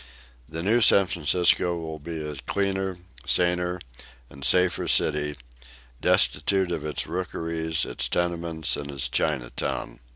The new San Francisco will be a cleaner, saner and safer city, destitute of its rookeries, its tenements and its Chinatown.